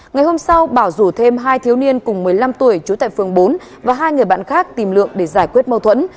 ngày hôm sau bảo rủ thêm hai thiếu niên cùng một mươi năm tuổi trú tại phường bốn và hai người bạn khác tìm lượng để giải quyết mâu thuẫn